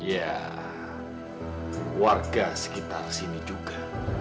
ya warga sekitar sini juga